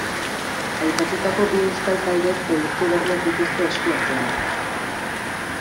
Aipatutako bi euskal taldeek proiektu berriak dituzte esku artean.